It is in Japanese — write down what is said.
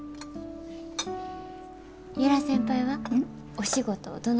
由良先輩はお仕事どないですか？